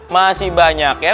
masih banyak ya